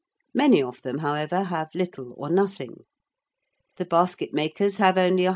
Many of them, however, have little or nothing: the Basket Makers have only 102_l.